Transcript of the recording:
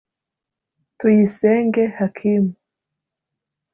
Tuyisenge Hakim